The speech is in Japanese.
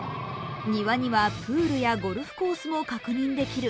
庭にはプールやゴルフコースも確認できる。